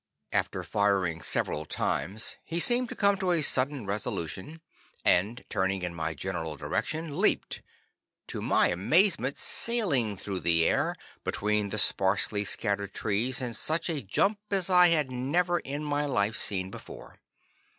After firing several times, he seemed to come to a sudden resolution, and turning in my general direction, leaped to my amazement sailing through the air between the sparsely scattered trees in such a jump as I had never in my life seen before.